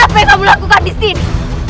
apa yang kamu lakukan disini